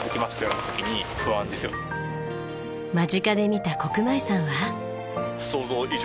間近で見た國米さんは。